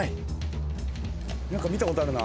見たことあるな。